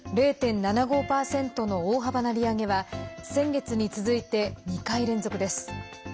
０．７５％の大幅な利上げは先月に続いて２回連続です。